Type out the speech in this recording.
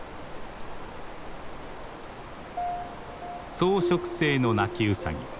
草食性のナキウサギ。